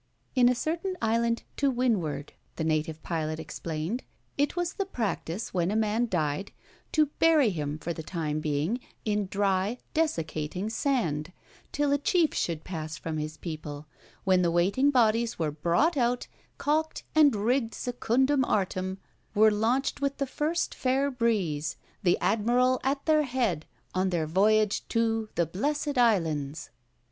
In a certain island to windward (the native pilot explained) it was the practice, when a man died, to bury him for the time being in dry, desiccating sand, till a chief should pass from his people, when the waiting bodies were brought out and, caulked and rigged secumdum artem, were launched with the first fair breeze, the admiral at their head, on their voyage to the Blessed Islands.